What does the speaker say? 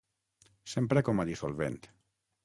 S'empra com a dissolvent.